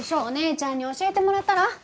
お姉ちゃんに教えてもらったら？